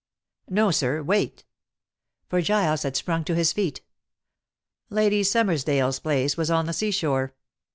No, sir, wait," for Giles had sprung to his feet. "Lady Summersdale's place was on the seashore.